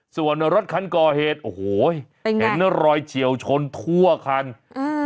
ส่วนรถคันก่อเหตุโอ้โหเห็นรอยเฉียวชนทั่วคันอืม